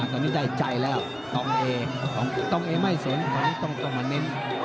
ตอนนี้ได้ใจแล้วต้องเอต้องเอไม่สนของต้องมาเน้น